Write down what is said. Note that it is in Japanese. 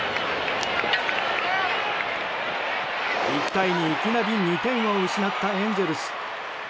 １回に、いきなり２点を失ったエンゼルス。